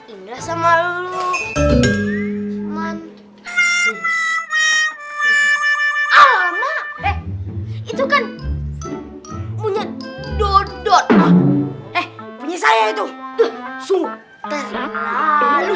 itu kan punya dodot eh punya saya itu sungguh terlalu